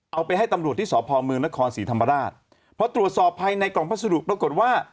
เอาไปให้ตำรวจที่สพเมืองนครศรีธรรมราชพอตรวจสอบภายในกล่องพัสดุปรากฏว่า